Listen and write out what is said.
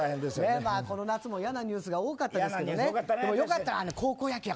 この夏も嫌なニュースが多かったですよね。